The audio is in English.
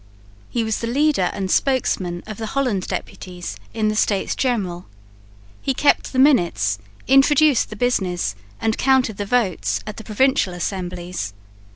He was the leader and spokesman of the Holland deputies in the States General. He kept the minutes, introduced the business and counted the votes at the provincial assemblies.